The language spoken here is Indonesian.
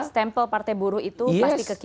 stempel partai buruh itu pasti ke kita